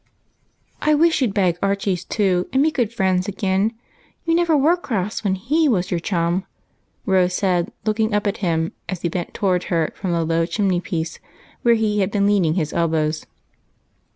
" I wish you 'd beg Archie's too, and be good friends again. You never were cross when he was your chum," Rose said, looking up at him as he bent toward her from the low chimney jDiece, where he had been leaning his elbows.